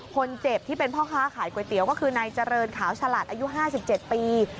ที่เป็นพ่อค้าขายก๋วยเตี๋ยวก็คือนายเจริญขาวฉลาดอายุ๕๗ปี